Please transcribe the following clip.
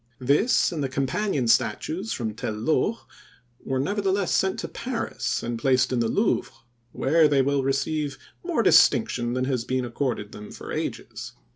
This and the companion statues from Tel Loh, were nevertheless sent to Paris and placed in the Louvre, where they will receive more distinction than has been accorded them for ages.